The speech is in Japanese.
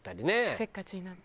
せっかちになったり。